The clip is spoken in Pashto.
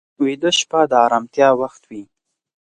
ویده شپه د ارامتیا وخت وي